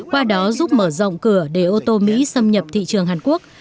qua đó giúp mở rộng cửa để ô tô mỹ xâm nhập thị trường hàn quốc